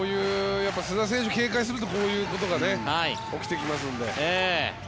須田選手を警戒するとこういうことが起きてきますので。